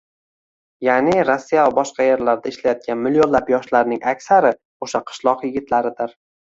Ya’ni, Rossiya va boshqa yerlarda ishlayotgan millionlab yoshlarning aksari o‘sha – qishloq yigitlaridir.